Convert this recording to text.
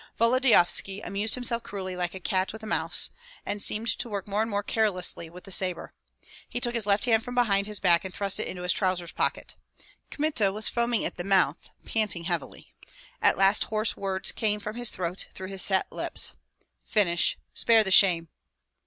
Volodyovski amused himself cruelly like a cat with a mouse, and seemed to work more and more carelessly with the sabre. He took his left hand from behind his back and thrust it into his trousers' pocket. Kmita was foaming at the mouth, panting heavily; at last hoarse words came from his throat through his set lips, "Finish spare the shame!"